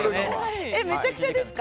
めちゃくちゃですか。